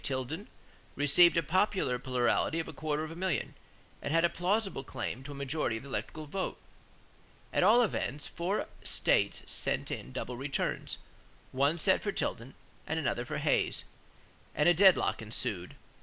Tilden, received a popular plurality of a quarter of a million and had a plausible claim to a majority of the electoral vote. At all events, four states sent in double returns, one set for Tilden and another for Hayes; and a deadlock ensued.